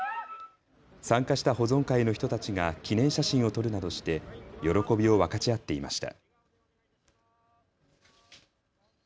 参加した保存会の人たちが記念写真を撮るなどして喜びを分かち合っていました。